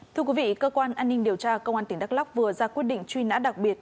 thưa quý vị cơ quan an ninh điều tra công an tỉnh đắk lóc vừa ra quyết định truy nã đặc biệt